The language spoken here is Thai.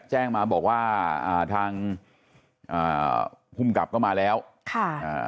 แจ้งมาบอกว่าทางคุมกลับก็มาแล้วค่ะ